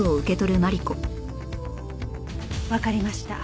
わかりました。